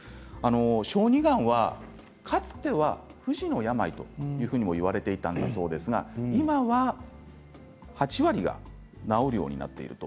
小児がんはかつては不治の病といわれていたんだそうですが今は８割が治るようになっていると。